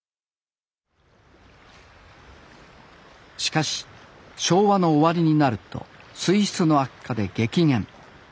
しかし昭和の終わりになると水質の悪化で激減。